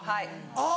あぁ。